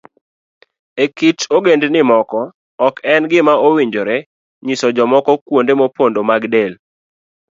E kit ogendini moko, ok en gima owinjore nyiso jomoko kuonde mopondo mag del.